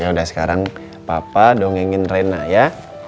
ya udah sekarang papa dongengin rena ya